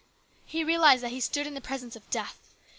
He realised that he stood in the presence of death.